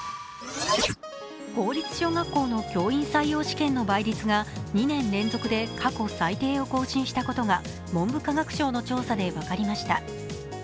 公立小学校の教員採用試験の倍率が２年連続で過去最低を更新したことが文部科学省の調査で分かりました。